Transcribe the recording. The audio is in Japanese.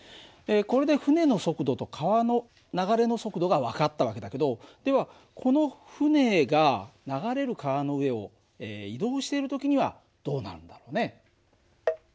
これで船の速度と川の流れの速度が分かった訳だけどではこの船が流れる川の上を移動している時にはどうなるんだろうね？